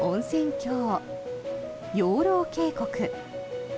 郷養老渓谷。